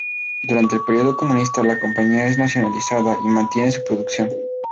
Durante el periodo comunista la compañía es nacionalizada y mantiene su producción.